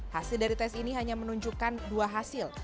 hasil dari tes ini hanya menunjukkan dua hasil